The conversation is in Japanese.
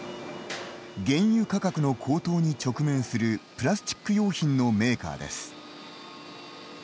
原油価格の高騰に直面するプラスチック用品のメーカーです。